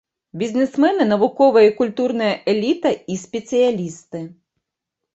Бізнесмены, навуковая і культурная эліта і спецыялісты.